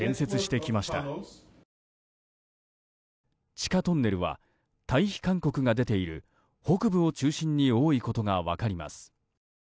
地下トンネルは退避勧告が出ている北部を中心に多いことが分かります。